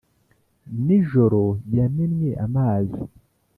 nijoro yamennye amazi